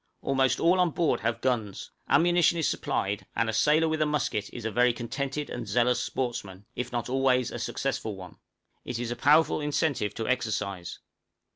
Almost all on board have guns; ammunition is supplied, and a sailor with a musket is a very contented and zealous sportsman, if not always a successful one; it is a powerful incentive to exercise.